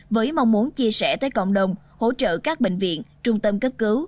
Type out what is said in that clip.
với mong muốn chia sẻ tới cộng đồng hỗ trợ các bệnh viện trung tâm cấp cứu